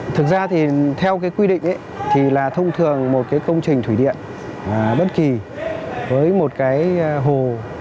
thực ra thì theo cái quy định thì là thông thường một cái công trình thủy điện bất kỳ với một cái hồ